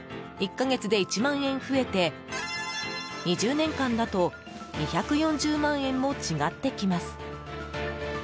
１か月で１万円増えて２０年間だと２４０万円も違ってきます。